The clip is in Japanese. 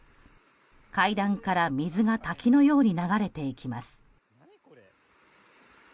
階段から水が滝のように流れていきます。